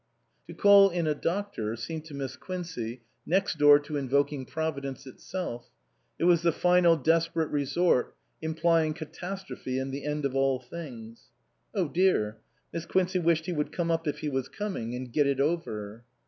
To call in a doctor seemed to Miss Quincey next door to invoking Providence itself ; it was the final desperate resort, implying catastrophe and the end of all things. Oh, dear ! Miss Quincey wished he would come up if he was coming, and get it over.